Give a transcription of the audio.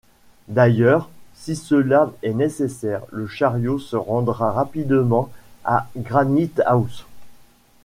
D’ailleurs, si cela est nécessaire, le chariot se rendra rapidement à Granite-house.